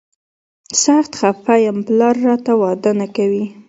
سخت خفه یم، پلار راته واده نه کوي.